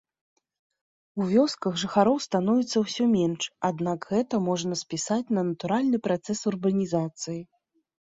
У вёсках жыхароў становіцца ўсё менш, аднак гэта можна спісаць на натуральны працэс урбанізацыі.